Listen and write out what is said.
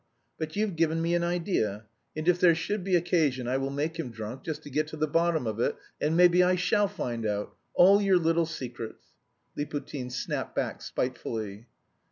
But you've given me an idea, and if there should be occasion I will make him drunk, just to get to the bottom of it and maybe I shall find out... all your little secrets," Liputin snapped back spitefully.